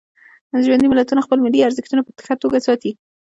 ژوندي ملتونه خپل ملي ارزښتونه په ښه توکه ساتي.